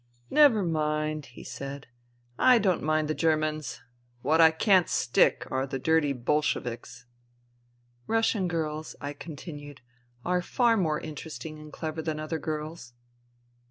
" Never mind," he said. " I don't mind the Germans. What I can't stick are the dirty Bolsheviks." " Russian girls," I continued, " are far more inter esting and clever than other girls."